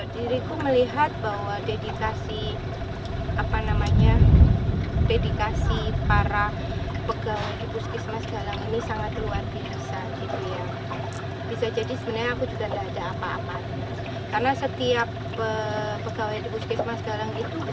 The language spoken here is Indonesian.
diri ku melihat bahwa dedikasi para pegawai di puskesmas galang ini sangat luar biasa